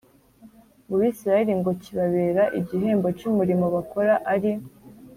mu Bisirayeli ngo kibabere igihembo cy umurimo bakora ari